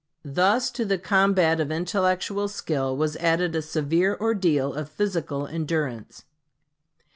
Thus to the combat of intellectual skill was added a severe ordeal of physical endurance.